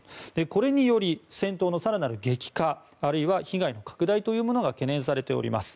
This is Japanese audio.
これにより、戦闘の更なる激化あるいは被害の拡大というものが懸念されております。